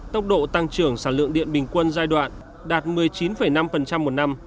tốc độ tăng trưởng sản lượng điện bình quân giai đoạn đạt một mươi chín năm một năm